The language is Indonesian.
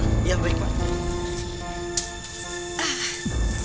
ya baik pak